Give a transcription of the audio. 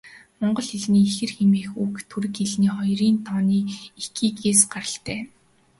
Монгол хэлний ихэр хэмээх үг түрэг хэлний хоёрын тооны нэр 'ики'-ээс гаралтай.